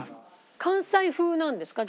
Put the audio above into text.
関西風なんですか？